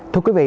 thưa quý vị